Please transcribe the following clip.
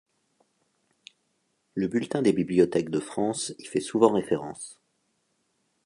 Le Bulletin des bibliothèques de France y fait souvent référence.